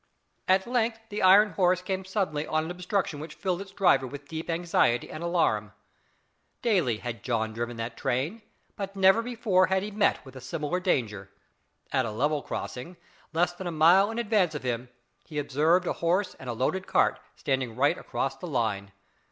At length the iron horse came suddenly on an obstruction which filled its driver with deep anxiety and alarm. Daily had John driven that train, but never before had he met with a similar danger. At a level crossing, less than a mile in advance of him, he observed a horse and a loaded cart standing right across the line.